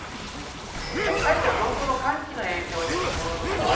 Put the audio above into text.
北海道、上空の寒気の影響でところどころ雨。